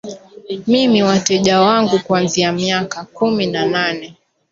mimi wateja wangu kuanzia miaka kumi na nane